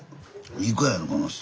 いい子やろこの人。